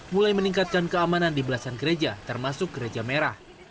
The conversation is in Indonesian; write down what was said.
mulai meningkatkan keamanan di belasan gereja termasuk gereja merah